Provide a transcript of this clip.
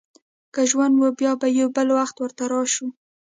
که ژوند و، بیا به یو بل وخت ورته راشو.